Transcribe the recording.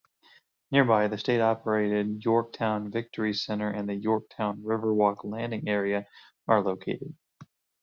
Nearby, the state-operated Yorktown Victory Center and the Yorktown Riverwalk Landing area are located.